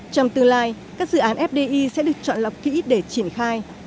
trong tương lai các dự án fdi sẽ được chọn lọc kỹ để triển khai